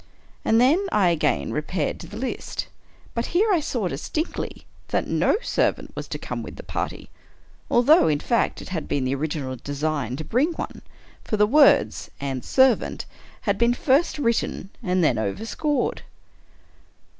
" And then I again repaired to the list — but here I saw distinctly that no servant was to come with the party: although, in fact, it had been the original design to bring one — for the words " and servant " had been first written and then over scored.